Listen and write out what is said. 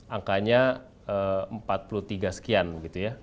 angkanya empat puluh tiga sekian gitu ya